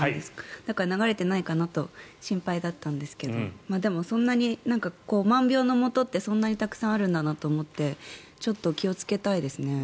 だから流れてないかなと心配だったんですけどでも、そんなに万病のもとってそんなにたくさんあるんだなと思ってちょっと気をつけたいですね。